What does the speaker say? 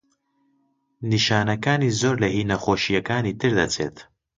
نیشانەکانی زۆر لە هی نەخۆشییەکانی تر دەچێت.